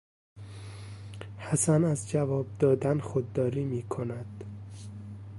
حسن از جواب دادن خودداری میکند.